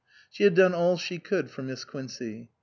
She had done all she could for Miss Quincey.